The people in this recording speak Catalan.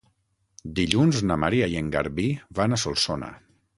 Dilluns na Maria i en Garbí van a Solsona.